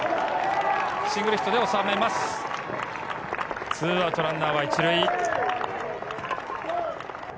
シングルヒットで、２アウト、ランナーは１塁。